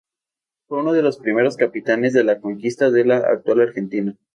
Fue uno de los primeros capitanes de la conquista de la actual Argentina.